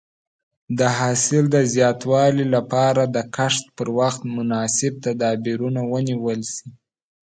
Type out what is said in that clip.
د حاصل د زیاتوالي لپاره د کښت پر وخت مناسب تدابیر ونیول شي.